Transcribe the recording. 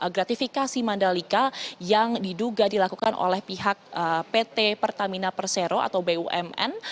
gratifikasi mandalika yang diduga dilakukan oleh pihak pt pertamina persero atau bumn